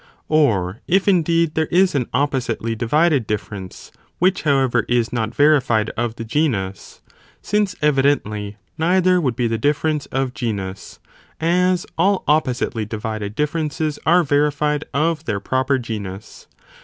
*! Or if indeed there is an oppositely di Aldrich (Man vided difference, which however is not verified of ecl's), Ρ. 30 the genus, since evidently neither would be the difference of genus, as all oppositely divided dif ferences are verified of their proper genus.